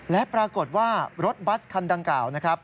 และปรากฏว่ารถบัตรคันดังกล่าว